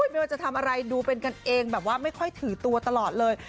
ไม่ว่าจะทำอะไรดูเป็นกันเองแบบว่าไม่ค่อยถือตัวตลอดเลย